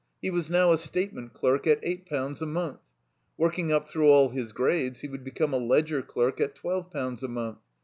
He was now a statement clerk at eight poimds a month. Working up through all his grades, he would become a ledger clerk at twelve pounds a month.